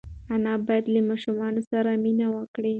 انا باید له ماشوم سره مینه وکړي.